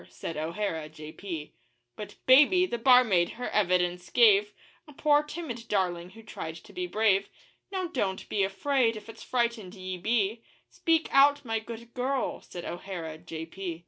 said O'Hara, J.P. But 'Baby,' the barmaid, her evidence gave A poor, timid darling who tried to be brave 'Now, don't be afraid if it's frightened ye be Speak out, my good girl,' said O'Hara, J.P.